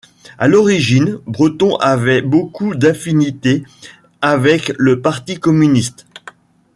À l'origine, Breton avait beaucoup d'affinité avec le parti communiste.